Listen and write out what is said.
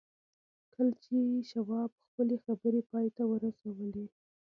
کله چې شواب خپلې خبرې پای ته ورسولې.